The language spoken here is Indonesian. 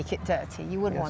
kita tidak akan ingin menembusnya